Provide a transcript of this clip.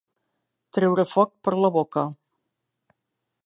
Treure foc per la boca.